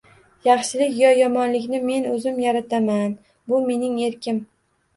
Yaxshilik yo yomonlikni men o’zim yarataman, bu – mening erkim.